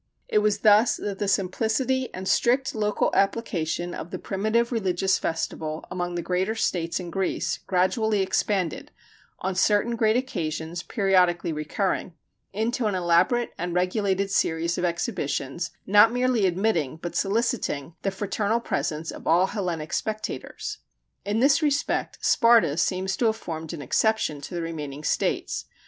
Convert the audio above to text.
It was thus that the simplicity and strict local application of the primitive religious festival among the greater states in Greece gradually expanded, on certain great occasions periodically recurring, into an elaborate and regulated series of exhibitions not merely admitting, but soliciting, the fraternal presence of all Hellenic spectators. In this respect Sparta seems to have formed an exception to the remaining states.